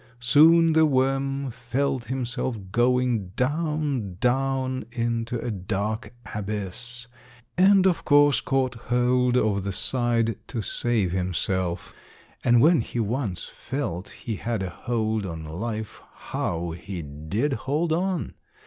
Soon the worm felt himself going down, down into a dark abyss, and of course caught hold of the side to save himself, and when he once felt he had a hold on life how he did hold on!